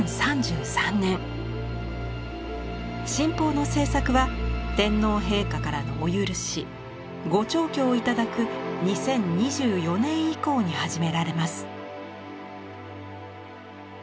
神宝の制作は天皇陛下からのお許し御聴許をいただく２０２４年以降に始められます。